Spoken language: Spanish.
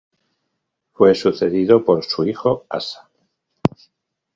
Fue sucedido por su hijo Asa.